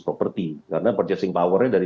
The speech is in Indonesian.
property karena purchasing powernya dari